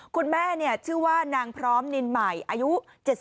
คุณแม่ชื่อว่านางพร้อมนินใหม่อายุ๗๒